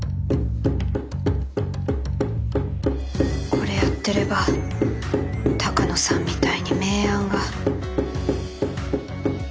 これやってれば鷹野さんみたいに名案が。